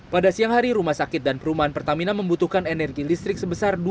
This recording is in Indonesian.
pada siang hari rumah sakit dan perumahan pertamina membutuhkan energi listrik sebesar dua puluh